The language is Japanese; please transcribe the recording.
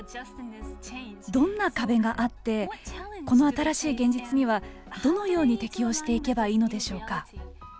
どんな壁があってこの新しい現実にはどのように適応していけばいいのでしょうか。